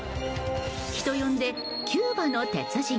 人呼んで、キューバの鉄人。